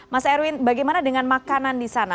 mas erwin bagaimana dengan makanan di sana